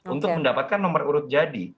untuk mendapatkan nomor urut jadi